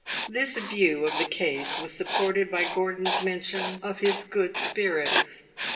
This view of the case was supported by Gordon's mention of his good spirits.